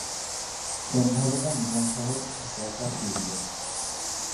সন্ধ্যাবেল নিজাম সাহেব এক-একা ফিরলেন।